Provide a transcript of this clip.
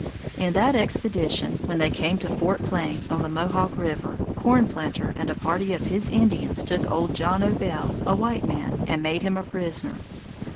In that expedition, when they came to Fort Plain, on the Mohawk river, Corn Planter and a party of his Indians took old John O'Bail, a white man, and made him a prisoner.